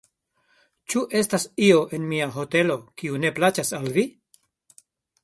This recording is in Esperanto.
Ĉu estas io en mia hotelo, kiu ne plaĉas al vi?